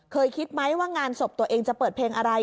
คิดไหมว่างานศพตัวเองจะเปิดเพลงอะไร